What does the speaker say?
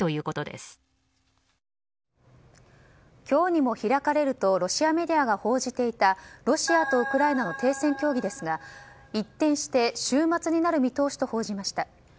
今日にも開かれるとロシアメディアが報じていたロシアとウクライナの停戦協議ですが一転して週末になる見通しと報じました。